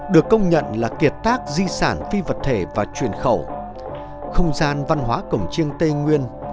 được công nhận là kiệt tác di sản phi vật thể và truyền khẩu không gian văn hóa cổng chiêng tây nguyên